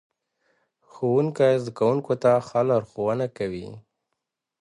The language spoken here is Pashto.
ښوونکی زده کوونکو ته ښه لارښوونه کوي